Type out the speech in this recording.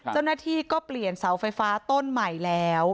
เจ้าหน้าที่ก็เปลี่ยนเสาไฟฟ้าต้นใหม่แล้ว